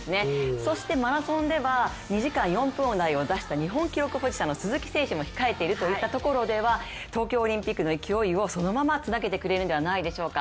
そしてマラソンでは２時間４分台を出した日本記録保持者の鈴木選手も控えているといったところでは東京オリンピックの勢いをそのままつなげてくれるんではないでしょうか。